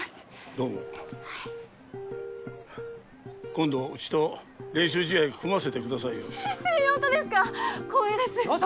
どうもはい今度うちと練習試合組ませてくださいよえっ星葉とですか光栄ですよ